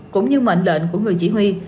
cũng như mệnh lệnh của người chỉ huy